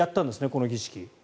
この儀式。